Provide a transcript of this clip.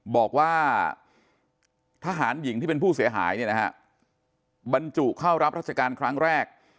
บอกว่าทหารหญิงที่เป็นผู้เสียหายเนี่ยนะฮะบรรจุเข้ารับราชการครั้งแรก